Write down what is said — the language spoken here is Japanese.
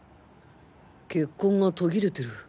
血痕が途切れてる。